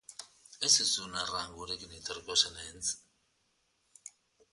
Ez zizun erran gurekin etorriko zenetz?